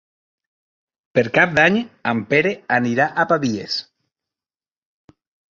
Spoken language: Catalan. Per Cap d'Any en Pere anirà a Pavies.